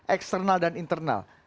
eksternal dan internal